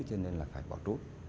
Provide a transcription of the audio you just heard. cho nên là phải bỏ trút